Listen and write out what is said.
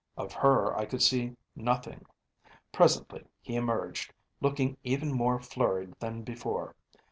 Of her I could see nothing. Presently he emerged, looking even more flurried than before.